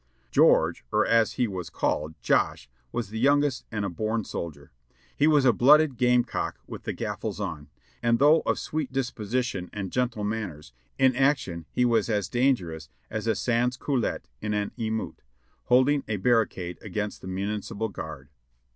George, or as he was called, "Josh," was the youngest and a born soldier. He was a blooded game cock with the gaffles on, and though of sweet disposition and gentle manners, in action he was as dangerous as a "Sans Coulette in an emute" holding a barricade against the Municipal guard.